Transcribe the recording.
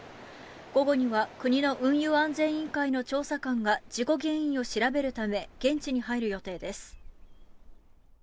午後には国の運輸安全委員会の調査官が事故原因を調べるため現地に入る予定です。